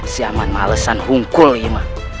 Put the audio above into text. si aman malesan hungkul imah